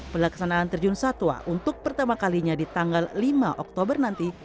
pelaksanaan terjun satwa untuk pertama kalinya di tanggal lima oktober nanti